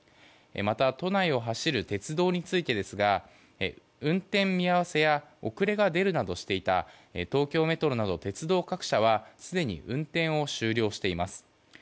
また、都内を走る鉄道についてですが運転見合わせや遅れが出るなどしていた東京メトロなど鉄道各社はすでに運転を終了しています。